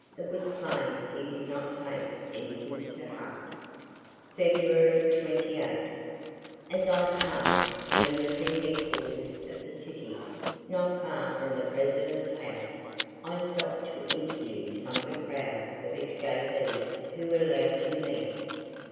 It was plain he did not take anything to heart. Feb. 28. As I pass'd the military headquarters of the city, not far from the President's house, I stopt to interview some of the crowd of escapees who were lounging there.